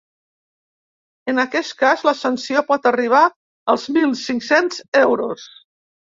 En aquest cas, la sanció pot arribar als mil cinc-cents euros.